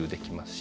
し